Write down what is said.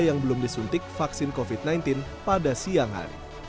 yang belum disuntik vaksin covid sembilan belas pada siang hari